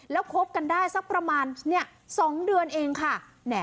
แล้วคบกันได้สักประมาณ๒เดือนเองค่ะ